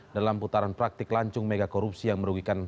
dalam putaran praktik lancung megakorupsi yang merugikan